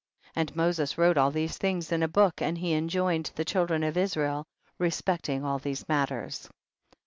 62. And Moses wrote all these things in a book, and he enjoined the children of Israel respecting all these matters.